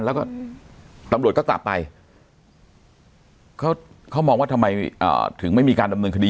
แล้วก็ตำรวจก็กลับไปเขามองว่าทำไมถึงไม่มีการดำเนินคดี